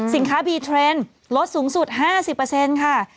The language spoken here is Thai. บีเทรนด์ลดสูงสุด๕๐ค่ะ